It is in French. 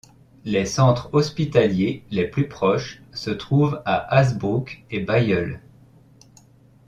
Les centres hospitaliers les plus proches se trouvent à Hazebrouck et Bailleul.